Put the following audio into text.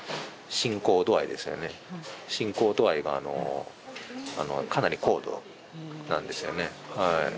進行度合いがかなり高度なんですよね。